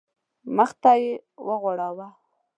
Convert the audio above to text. مخ ته یې وغوړاوه.